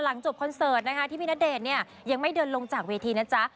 จบคอนเสิร์ตนะคะที่พี่ณเดชน์เนี่ยยังไม่เดินลงจากเวทีนะจ๊ะ